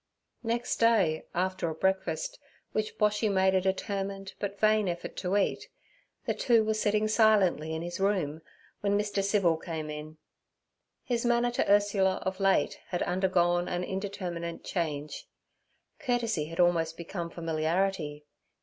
Next day, after a breakfast which Boshy made a determined but vain attempt to eat, the two were sitting silently in his room when Mr. Civil came in. His manner to Ursula of late had undergone an indeterminate change: courtesy had almost become familiarity.